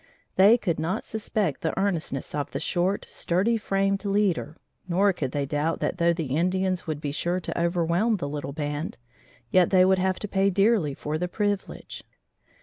They could not suspect the earnestness of the short, sturdy framed leader, nor could they doubt that though the Indians would be sure to overwhelm the little band, yet they would have to pay dearly for the privilege.